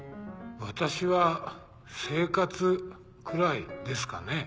私は生活ぐらいですかね。